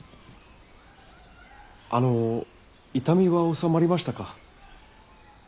あの痛みは治まりましたか？